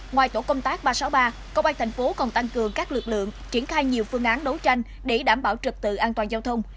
ngoài tổ công tác ba trăm sáu mươi ba công an thành phố còn tăng cường các lực lượng triển khai nhiều phương án đấu tranh để đảm bảo trực tự an toàn giao thông